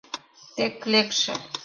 Тек лекше!